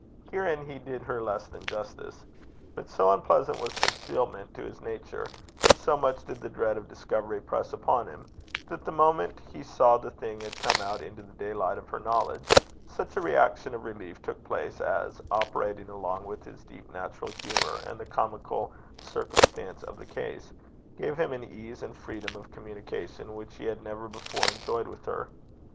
Herein he did her less than justice. But so unpleasant was concealment to his nature, and so much did the dread of discovery press upon him, that the moment he saw the thing had come out into the daylight of her knowledge, such a reaction of relief took place as, operating along with his deep natural humour and the comical circumstance of the case, gave him an ease and freedom of communication which he had never before enjoyed with her.